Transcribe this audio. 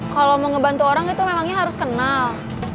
kalau mau ngebantu orang itu memangnya harus kenal